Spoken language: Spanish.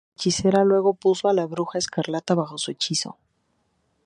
La Hechicera luego puso a la Bruja Escarlata bajo su hechizo.